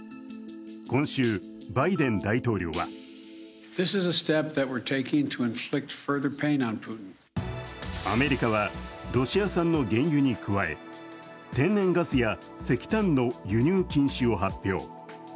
今週、バイデン大統領はアメリカはロシア産の原油に加え、天然ガスや石炭の輸入禁止を発表。